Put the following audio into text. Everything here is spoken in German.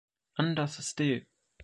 An das Ste.